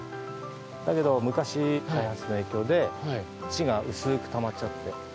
だけど、昔、開発の影響で土が薄くたまっちゃって。